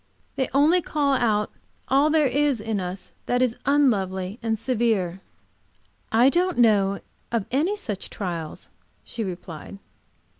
They only call out all there is in us that is unlovely and severe." "I don't know of any such trials," she replied.